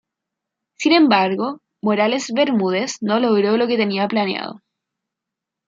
Sin embargo, Morales Bermúdez no logró lo que tenía planeado.